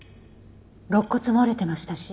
肋骨も折れてましたし。